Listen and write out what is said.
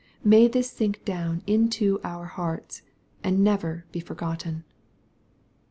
May this sink down into our hearts, and never be forgotten !